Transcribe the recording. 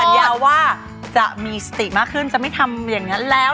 ยาว่าจะมีสติมากขึ้นจะไม่ทำอย่างนั้นแล้ว